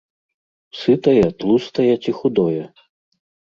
Сытае, тлустае ці худое?